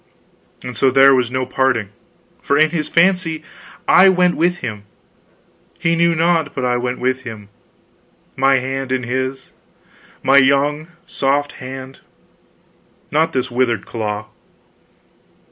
And so there was no parting, for in his fancy I went with him; he knew not but I went with him, my hand in his my young soft hand, not this withered claw.